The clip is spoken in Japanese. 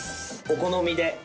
お好みで。